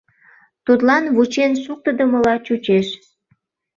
Тудлан вучен шуктыдымыла чучеш.